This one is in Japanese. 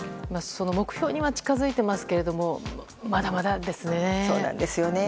その目標には近づいていますけれどもまだまだですね。